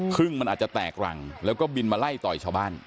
พึ่งมันอาจจะแตกรังแล้วก็บินมาไล่ต่อยชาวบ้าน